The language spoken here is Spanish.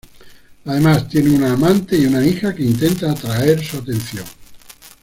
Además tiene una amante, y una hija que intenta atraer su atención.